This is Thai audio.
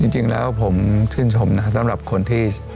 จริงแล้วผมชื่นชมนะสำหรับคนที่